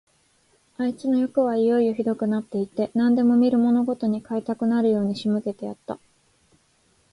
あいつのよくはいよいよひどくなって行って、何でも見るものごとに買いたくなるように仕向けてやった。